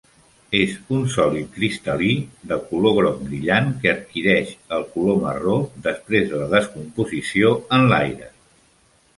És un sòlid cristal·lí de color groc brillant que adquireix el color marró després de la descomposició en l"aire.